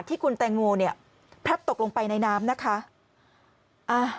ที่คุณแตงโมเนี่ยพลัดตกลงไปในน้ำนะคะ